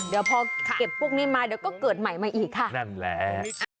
เดี๋ยวพอเก็บพวกนี้มาเดี๋ยวก็เกิดใหม่มาอีกค่ะนั่นแหละ